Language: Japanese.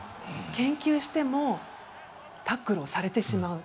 研究してもタックルをされてしまう。